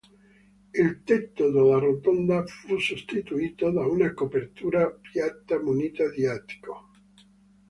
Il tetto della rotonda fu sostituito da una copertura piatta munita di attico.